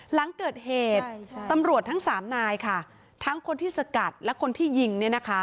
หลังเกิดเหตุตำรวจทั้งสามนายค่ะทั้งคนที่สกัดและคนที่ยิงเนี่ยนะคะ